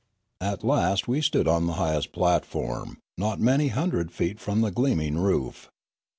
At last we stood on the highest platform, not many hundred feet from the gleaming roof.